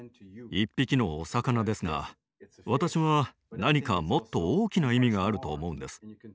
１匹のおさかなですが私は何かもっと大きな意味があると思うんです。